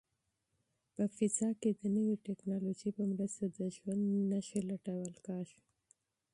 په فضا کې د نوې ټیکنالوژۍ په مرسته د ژوند نښې لټول کیږي.